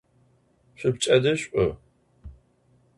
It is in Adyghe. Şüipçedıj ş'u!